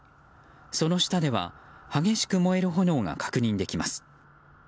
その下では、激しく燃える炎が確認できます。